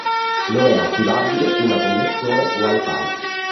Non è attivabile una connessione "wi-fi".